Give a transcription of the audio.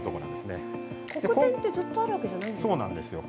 黒点ってずっとあるわけじゃないんですよね？